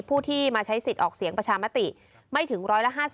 ผู้ที่มาใช้สิทธิ์ออกเสียงประชามติไม่ถึง๑๕๐